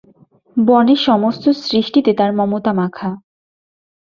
বনের সমস্ত সৃষ্টিতে তার মমতা মাখা।